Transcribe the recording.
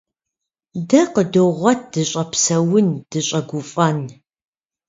Дэ къыдогъуэт дыщӀэпсэун, дыщӀэгуфӀэн.